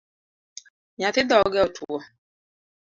Nyathi dhoge otwo